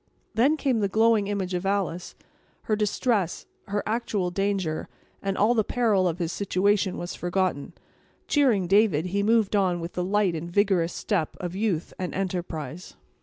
Then came the glowing image of Alice; her distress; her actual danger; and all the peril of his situation was forgotten. Cheering David, he moved on with the light and vigorous step of youth and enterprise.